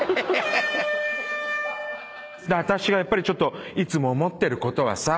私がやっぱりちょっといつも思ってることはさ